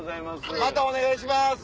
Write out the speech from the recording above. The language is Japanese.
またお願いします。